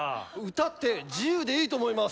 歌って自由でいいと思います。